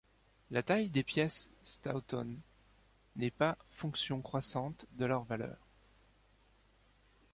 La taille des pièces Staunton n'est pas fonction croissante de leur valeur.